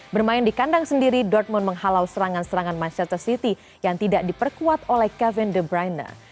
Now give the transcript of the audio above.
bermain di kandang sendiri dortmund menghalau serangan serangan manchester city yang tidak diperkuat oleh kevin de bruyne